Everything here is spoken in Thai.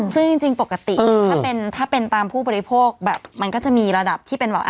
ซึ่งจริงปกติถ้าเป็นตามผู้บริโภคแบบมันก็จะมีระดับที่เป็นแบบ